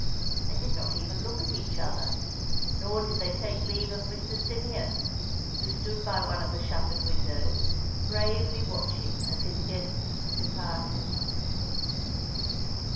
They did not even look at each other, nor did they take leave of Mr. Symeon, who stood by one of the shuttered windows, gravely watching as his guests departed.